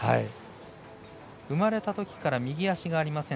生まれたときから右足がありません。